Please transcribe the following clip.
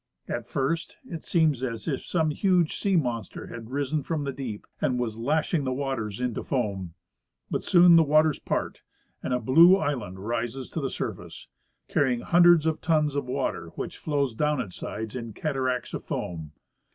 At first it seems as if some huge sea monster had risen from the deep and was lashing the waters into foam ; but soon the waters part, and a blue island rises to the surface, carrying hundreds of tons of water, which flows down its sides in cataracts of foam.